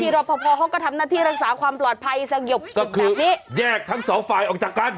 รอพอพอเขาก็ทำหน้าที่รักษาความปลอดภัยสยบแบบนี้แยกทั้งสองฝ่ายออกจากกัน